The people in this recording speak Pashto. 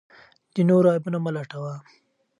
د نورو عیبونه مه لټوه.